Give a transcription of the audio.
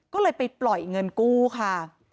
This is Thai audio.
ก็เลยไปปล่อยเงินกู้ค่ะ